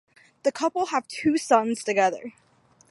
The couple have two sons together.